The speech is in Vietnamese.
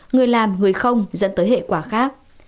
người làm người không dẫn tới hệ quả khác